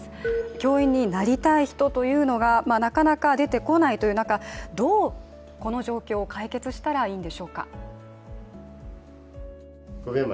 教員になりたい人というのがなかなか出てこないという中、どうこの状況を解決したらいいんでしょうか。